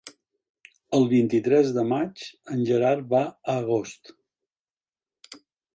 El vint-i-tres de maig en Gerard va a Agost.